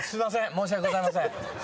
申し訳ございません。